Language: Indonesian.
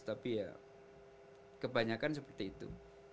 tapi ya kebanyakan seperti itu